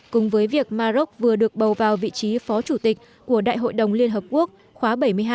cùng với việc maroc vừa được bầu vào vị trí phó chủ tịch của đại hội đồng liên hợp quốc khóa bảy mươi hai